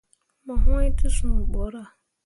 Mo wŋni te sũũ borah.